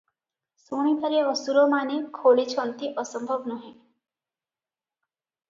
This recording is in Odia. ଶୁଣିବାରେ ଅସୁରମାନେ ଖୋଳିଛନ୍ତି ଅସମ୍ଭବ ନୁହେଁ ।